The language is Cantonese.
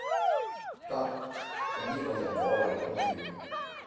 得，噉呢個由我來判斷